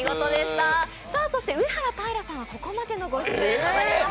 上はらたいらさんは、ここまでのご出演となります。